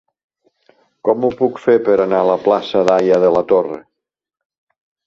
Com ho puc fer per anar a la plaça d'Haya de la Torre?